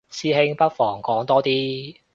師兄不妨講多啲